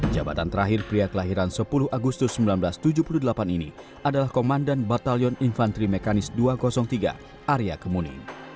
jabatan terakhir pria kelahiran sepuluh agustus seribu sembilan ratus tujuh puluh delapan ini adalah komandan batalion infanteri mekanis dua ratus tiga arya kemuni